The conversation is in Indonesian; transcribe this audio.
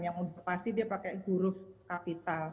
yang udah pasti dia pakai huruf kapital